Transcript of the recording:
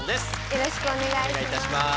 よろしくお願いします。